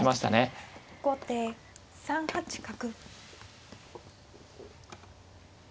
後手３八角。